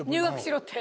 って。